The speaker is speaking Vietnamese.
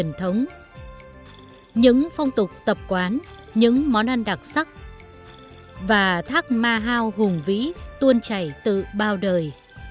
những phong tục tập quán những món ăn đặc sắc và thác ma hao hùng vĩ tuân chảy từ bao đời